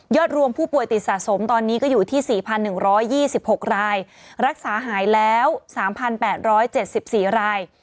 รวมผู้ป่วยติดสะสมตอนนี้ก็อยู่ที่๔๑๒๖รายรักษาหายแล้ว๓๘๗๔ราย